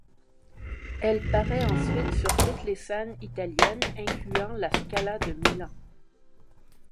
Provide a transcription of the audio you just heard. Elle paraît ensuite sur toutes les scènes italiennes, incluant La Scala de Milan.